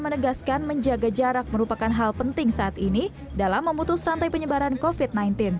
menegaskan menjaga jarak merupakan hal penting saat ini dalam memutus rantai penyebaran kofit